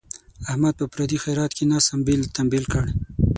احمد په پردي خیرات کې نس امبېل تمبیل کړ.